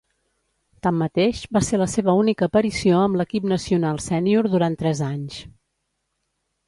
Tanmateix, va ser la seva única aparició amb l'equip nacional sènior durant tres anys.